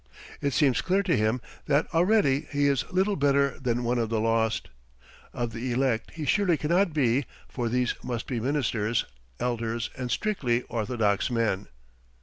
It seems clear to him that already he is little better than one of the lost. Of the elect he surely cannot be, for these must be ministers, elders, and strictly orthodox men.